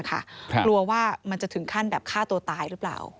กลัวว่ามันจะถึงขั้นแบบฆ่าตัวตายหรือเปล่า